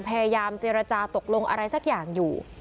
พยายามเจรจาตกลงอะไรสักอย่างอยู่